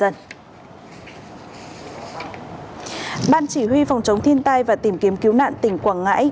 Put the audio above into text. tại tỉnh quảng ngãi ban chỉ huy phòng chống thiên tai và tìm kiếm cứu nạn tỉnh quảng ngãi